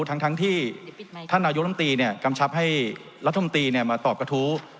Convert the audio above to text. ทั้งที่ท่านล้ำตีเนี่ยกำชับให้รัฐมนตรีเนี่ยมาตอบกระทู้